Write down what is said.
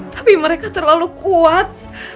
tapi mereka terlalu kuat